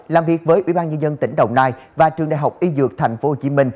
làm việc với ủy ban nhân dân tỉnh đồng nai và trường đại học y dược tp hcm